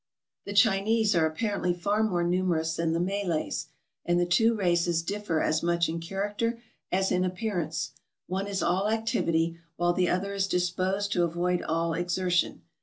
The Chinese are apparently far more numerous than the Malays, and the two races differ as much in character as in appearance ; one is all activity, while the other is disposed to avoid all exertion.